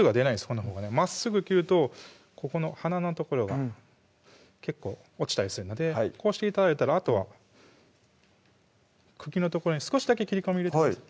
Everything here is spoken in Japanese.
このほうがねまっすぐ切るとここの花の所が結構落ちたりするのでこうして頂いたらあとは茎の所に少しだけ切り込み入れてください